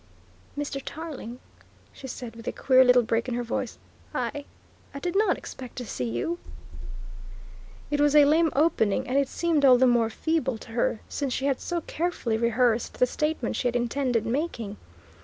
"Mr. Tarling," she said with a queer little break in her voice, "I I did not expect to see you." It was a lame opening, and it seemed all the more feeble to her since she had so carefully rehearsed the statement she had intended making.